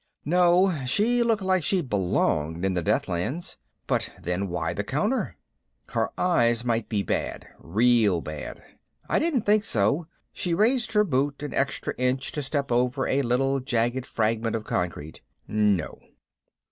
No, she looked like she belonged in the Deathlands. But then why the counter? Her eyes might be bad, real bad. I didn't think so. She raised her boot an extra inch to step over a little jagged fragment of concrete. No.